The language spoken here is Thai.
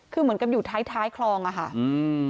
คือเหมือนกับอยู่ท้ายท้ายคลองอ่ะค่ะอืม